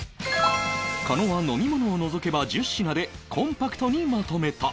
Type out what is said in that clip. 狩野は飲み物を除けば１０品でコンパクトにまとめた